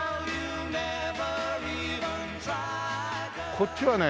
こっちはね